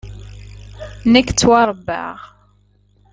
Nekk ttwaṛebbaɣ-d.